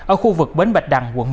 ở khu vực bến bạch đăng quận một